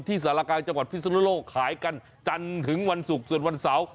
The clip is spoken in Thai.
ที่ศาลากาลจังหวัดพิสเตอร์โล่ขายกันจันทึงวันสุกส่วนวันเสาร์